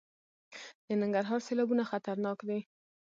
د ننګرهار سیلابونه خطرناک دي؟